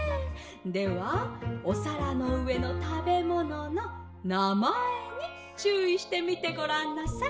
ではおさらのうえのたべもののなまえにちゅういしてみてごらんなさい」。